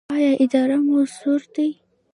ایا ادرار مو سور دی؟